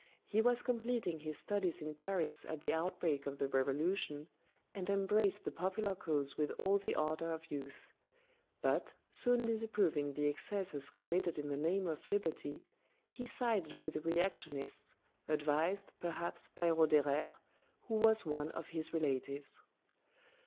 He was completing his studies in Paris at the outbreak of the Revolution and embraced the popular cause with all the ardor of youth. But, soon disapproving the excesses committed in the name of Liberty, he sided with the Reactionists, advised, perhaps, by Roederer, who was one of his relatives.